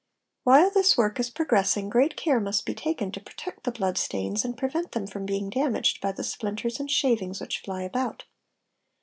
_ While this work is progressing great care must be taken to protect the blood stains and prevent them from being damaged by the splinters and _ shavings which fly about.